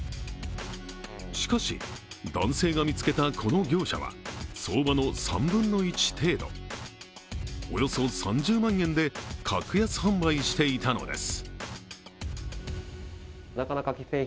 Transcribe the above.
しかし、男性が見つけたこの業者は相場の３分の１程度およそ３０万円で格安販売していたのです。